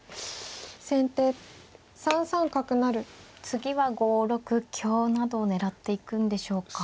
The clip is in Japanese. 次は５六香などを狙っていくんでしょうか。